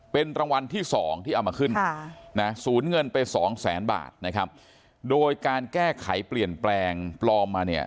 เป็นสองแสนบาทนะครับโดยการแก้ไขเปลี่ยนแปลงปลอมมาเนี่ย